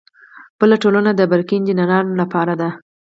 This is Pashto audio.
بله ټولنه د برقي انجینرانو لپاره ده.